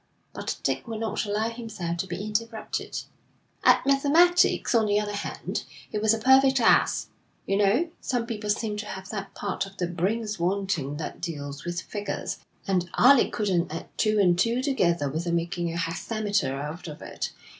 But Dick would not allow himself to be interrupted. 'At mathematics, on the other hand, he was a perfect ass. You know, some people seem to have that part of their brains wanting that deals with figures, and Alec couldn't add two and two together without making a hexameter out of it.